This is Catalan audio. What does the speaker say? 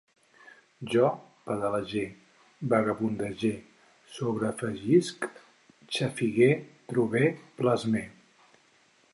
Jo pedalege, vagabundege, sobreafegisc, xafigue, trobe, plasme